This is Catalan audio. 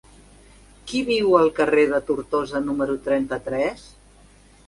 Qui viu al carrer de Tortosa número trenta-tres?